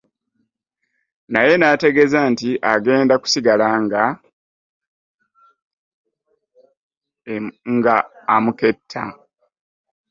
Naye n'etegeeza nti egenda kusigala ng'emukketta